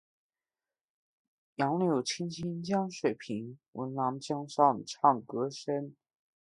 杨柳青青江水平，闻郎江上唱歌声。